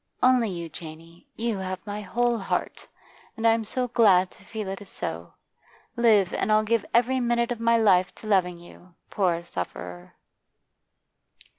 Only you, Janey; you have my whole heart, and I'm so glad to feel it is so. Live, and I'll give every minute of my life to loving you, poor sufferer.